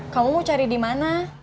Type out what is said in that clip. kamu cari di mana